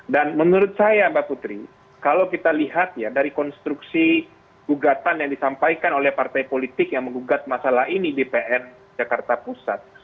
dan menurut saya mbak putri kalau kita lihat ya dari konstruksi gugatan yang disampaikan oleh partai politik yang menggugat masalah ini di pn jakarta pusat